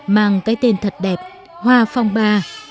mang cái tên thật đẹp hoa phong ba